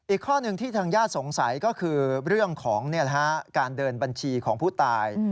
ข้อหนึ่งที่ทางญาติสงสัยก็คือเรื่องของการเดินบัญชีของผู้ตาย